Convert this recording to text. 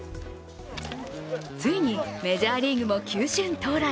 ついにメジャーリーグも球春到来。